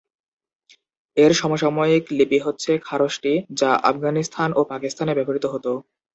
এর সমসাময়িক লিপি হচ্ছে খরোষ্ঠী যা আফগানিস্তান ও পাকিস্তানে ব্যবহৃত হতো।